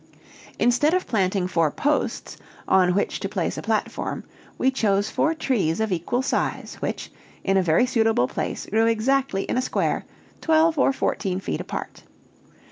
Instead of planting four posts, on which to place a platform, we chose four trees of equal size, which, in a very suitable place, grew exactly in a square, twelve or fourteen feet apart.